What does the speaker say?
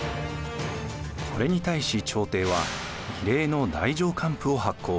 これに対し朝廷は異例の太政官符を発行。